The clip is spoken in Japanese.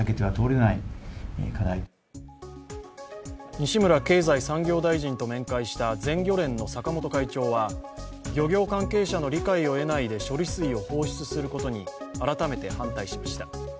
西村経済産業大臣と面会した全漁連の坂本会長は漁業関係者の理解を得ないで処理水を放出することに改めて反対しました。